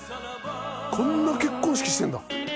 こんな結婚式してるんだ。